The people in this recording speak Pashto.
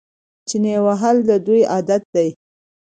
چنې وهل د دوی عادت دی.